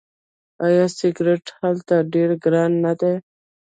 آیا سیګرټ هلته ډیر ګران نه دي؟